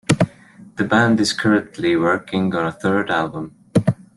The band is currently working on a third album.